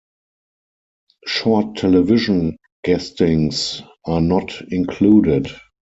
Short television guestings are not included.